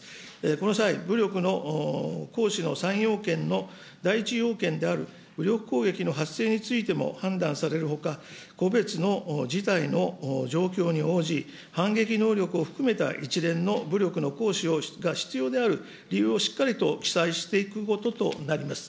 この際、武力の行使の３要件の第１要件である武力攻撃の発生についても判断されるほか、個別の事態の状況に応じ、反撃能力を含めた一連の武力の行使が必要である理由をしっかりと記載していくこととなります。